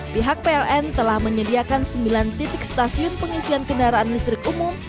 pihak pln telah menyediakan sembilan titik stasiun pengisian kendaraan listrik umum